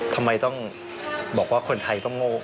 ทำไมต้องบอกว่าคนไทยต้องโง่